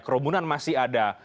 kerumunan masih ada